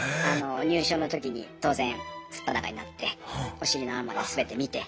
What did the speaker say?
入所の時に当然素っ裸になってお尻の穴まで全て見て。